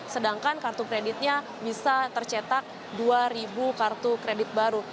sedangkan kartu kreditnya bisa tercetak dua kartu kredit baru